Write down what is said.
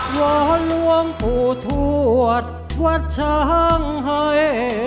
หมอหลวงปู่ทวดวัดช้างให้